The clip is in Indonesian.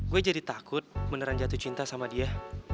gue jadi takut beneran jatuh cinta sama dia